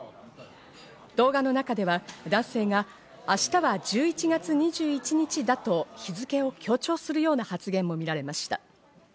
動画の中では、男性が明日は１１月２１日だと、日付を強調するような発言も見られました。